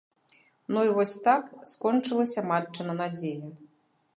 Ну і вось так скончылася матчына надзея.